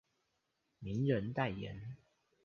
名人代言